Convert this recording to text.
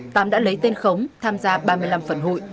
tám đã lấy tên khống tham gia ba mươi năm phần hụi